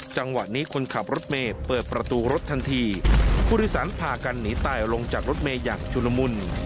จังหวะนี้คนขับรถเมย์เปิดประตูรถทันทีผู้โดยสารพากันหนีตายลงจากรถเมย์อย่างชุลมุน